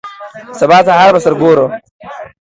سبا سهار به سره ګورو.